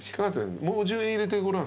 もう１０円入れてごらん。